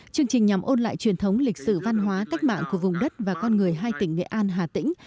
chương trình nhằm ôn lại truyền thống lịch sử văn hóa cách mạng của vùng đất và con người hai tỉnh nghệ an hà tĩnh